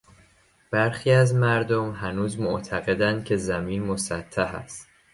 برخی از مردم هنوز معتقدند که زمین مسطح است.